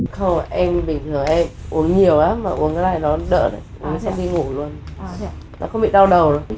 không em bình thường em uống nhiều á mà uống cái này nó đỡ đấy uống xong đi ngủ luôn nó không bị đau đầu đâu